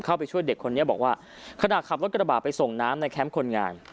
เข้าไปช่วยเด็กคนนี้บอกว่าขณะขับรถกระบาดไปส่งน้ำในแคมป์คนงาน